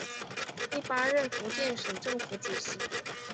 第八任福建省政府主席。